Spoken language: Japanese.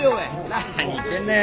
何言ってんだよ